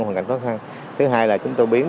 hoàn cảnh khó khăn thứ hai là chúng tôi biến